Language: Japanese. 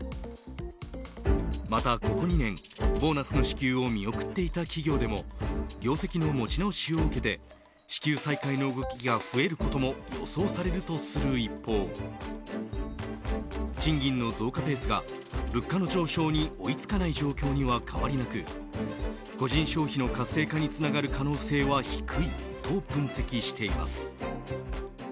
また、ここ２年ボーナスの支給を見送っていた企業でも業績の持ち直しを受けて支給再開の動きが増えることも予想されるとする一方賃金の増加ペースが物価の上昇に追いつかない状況には変わりなく個人消費の活性化につながる可能性は低いと分析しています。